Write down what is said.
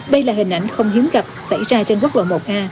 đây là hình ảnh không hiếm gặp xảy ra trên quốc lộ một a